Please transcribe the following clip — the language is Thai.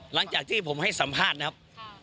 หลังจากที่ผมให้สัมภาษณ์นะครับ